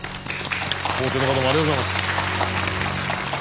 門弟の方もありがとうございます。